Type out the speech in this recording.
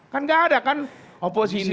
kan gak ada kan oposisi